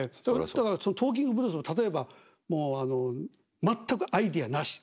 だから「トーキングブルース」の例えばもう全くアイデアなし。